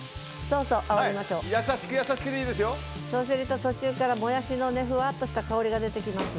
そうすると途中からもやしのふわっとした香りが出て来ます。